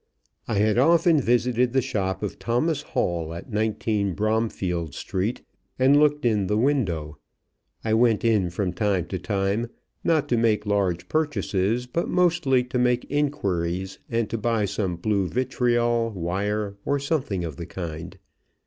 I had often visited the shop of Thomas Hall, at 19 Bromfield Street, and looked in the window. I went in from time to time, not to make large purchases, but mostly to make inquiries and to buy some blue vitriol, wire, or something of the kind.